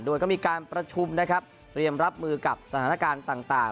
โดยก็มีการประชุมนะครับเตรียมรับมือกับสถานการณ์ต่าง